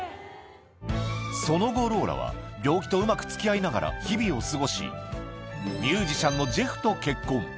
その後、ローラは病気とうまくつきあいながら日々を過ごし、ミュージシャンのジェフと結婚。